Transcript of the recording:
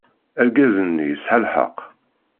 Argaz-nni yesɛa lḥeqq.